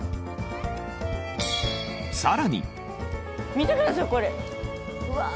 見てくださいこれ！